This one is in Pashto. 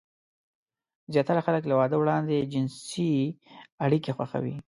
زياتره خلک له واده وړاندې جنسي اړيکې خوښوي.